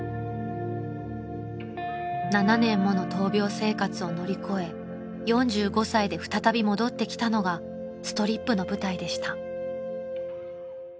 ［７年もの闘病生活を乗り越え４５歳で再び戻ってきたのがストリップの舞台でした］